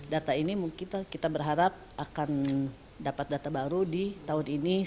data ini mungkin kita berharap akan dapat data baru di tahun ini